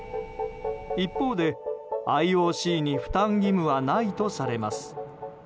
一方で、ＩＯＣに負担義務はないとされます。